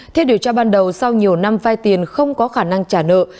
theo điều tra ban đầu sau nhiều năm vai tiền không có khả năng trả nợ